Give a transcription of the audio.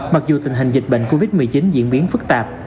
mặc dù tình hình dịch bệnh covid một mươi chín diễn biến phức tạp